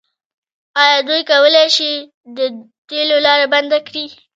آیا دوی کولی شي د تیلو لاره بنده کړي؟